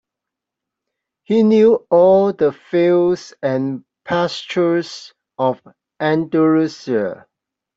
He knew all the fields and pastures of Andalusia.